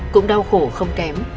cũng đau khổ không kém